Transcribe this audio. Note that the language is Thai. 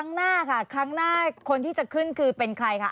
นัดครั้งต่อไปคือ๒พฤศจิกายน